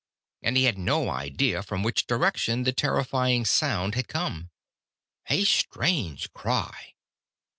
And he had no idea from which direction the terrifying sound had come. A strange cry.